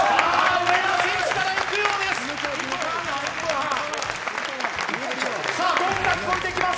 上田選手からいくようです。